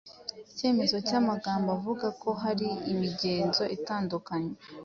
icyemezo cyamagambo avuga ko hari imigenzo itandukanye